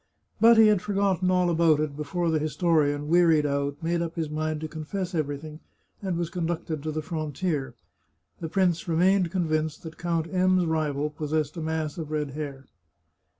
But he had forgotten all about it before the historian, wearied out, made up his mind to confess everything, and was conducted to the frontier. The prince remained convinced that Count M 's rival possessed a mass of red hair.